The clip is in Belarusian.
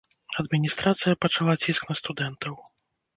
Адміністрацыя пачала ціск на студэнтаў.